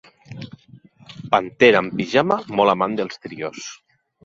Pantera amb pijama molt amant dels trios.